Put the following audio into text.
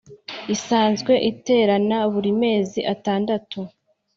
isanzwe iterana buri mezi atandatu